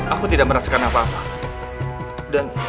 aku tidak merasakan apa apa